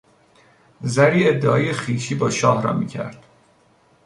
زری ادعای خویشی با شاه را میکرد.